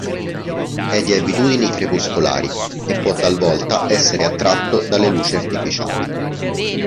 È di abitudini crepuscolari e può talvolta essere attratto dalle luci artificiali.